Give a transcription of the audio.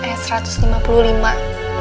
dan aku berikan kepada mu cobaan